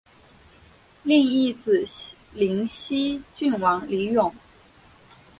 另一子灵溪郡王李咏。